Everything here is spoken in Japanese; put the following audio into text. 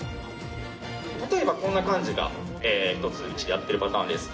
例えばこんな感じがやっているパターンです。